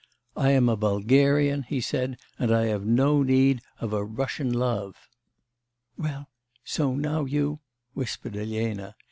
"I am a Bulgarian," he said, "and I have no need of a Russian love " 'Well so now you ' whispered Elena.